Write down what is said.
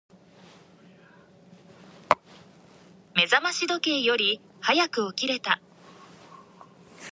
目覚まし時計より早く起きれた。